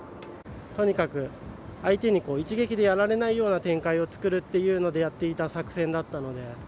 とにかく、相手に一撃でやられないような展開を作るっていうことでやっていた作戦だったので。